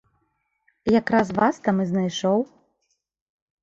Якраз вас там і знайшоў.